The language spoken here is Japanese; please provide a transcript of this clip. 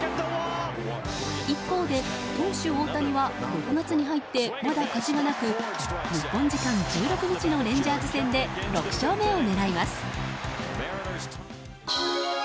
一方で投手・大谷は６月に入ってまだ勝ちがなく日本時間１６日のレンジャーズ戦で６勝目を狙います。